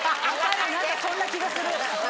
何かそんな気がする。